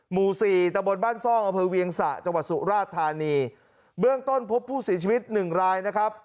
หมู่สี่ตะบนบ้านซ่องอำเภอเวียงสะจังหวัดสุราชธานีเบื้องต้นพบผู้เสียชีวิตหนึ่งรายนะครับ